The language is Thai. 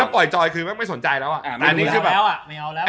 ถ้าปล่อยจอยคือไม่สนใจแล้วอะ